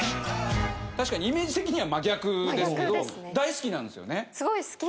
確かにイメージ的には真逆ですけど大好きなんですよね？